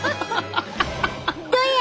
どや！